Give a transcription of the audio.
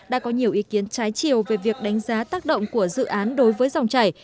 đã có nhiều ý kiến trái chiều về việc đánh giá tác động của dự án đối với dòng chảy